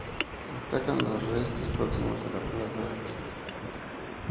Destacan los restos próximos a la plaza de la iglesia.